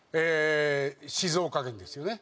静岡県ですよね。